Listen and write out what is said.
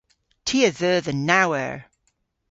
Ty a dheu dhe naw eur.